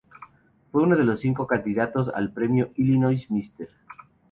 Fue uno de los cinco candidatos al premio Illinois Mr.